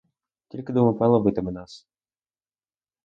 Тільки, думаю, пан ловитиме нас.